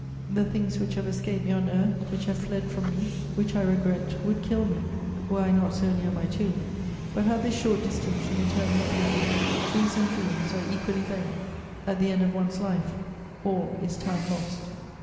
The things which have escaped me on earth, which have fled from me, which I regret, would kill me, were I not so near my tomb; but, at this short distance from eternal oblivion, truths and dreams are equally vain: at the end of one's life, all is time lost.